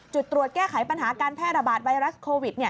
จุดตรวจแก้ไขปัญหาการแพร่ระบาดไวรัสโควิด